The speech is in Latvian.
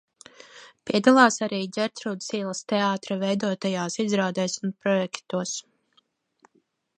Piedalās arī Ģertrūdes ielas teātra veidotajās izrādēs un projektos.